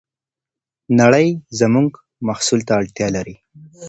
نړۍ زموږ محصول ته اړتیا لري.